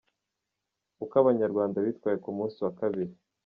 Uko Abanyarwanda bitwaye ku munsi wa kabiri:.